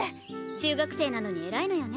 中学生なのに偉いのよね。